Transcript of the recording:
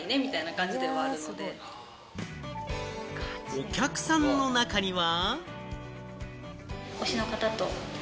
お客さんの中には。